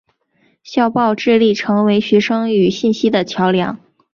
校报致力成为学生与信息的桥梁。